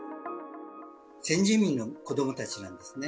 先住民の子どもたちなんですね。